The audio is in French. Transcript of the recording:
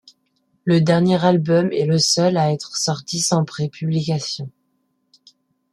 Le dernier album est le seul à être sorti sans pré-publication.